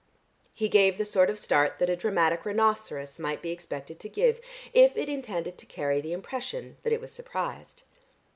He gave the sort of start that a dramatic rhinoceros might be expected to give, if it intended to carry the impression that it was surprised.